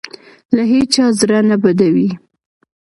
له هېچا زړه نه بدوي.